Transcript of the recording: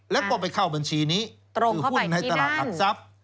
แล้วก็ไปเข้าบัญชีนี้ตรงคือหุ้นในตลาดหลักทรัพย์